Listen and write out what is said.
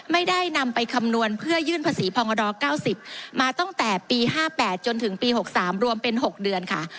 ไม่ได้นำไปคำนวณเพื่อยื่นภาษีภองกระดอกเก้าสิบมาตั้งแต่ปีห้าแปดจนถึงปีหกสามรวมเป็นหกเดือนค่ะ